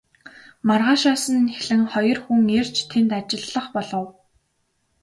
Маргаашаас нь эхлэн хоёр хүн ирж тэнд ажиллах болов.